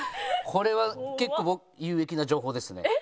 これは結構有益な情報ですね。